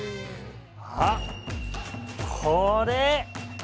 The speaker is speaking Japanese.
あっこれ！